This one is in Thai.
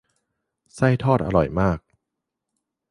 ไส้ทอดอร่อยมาก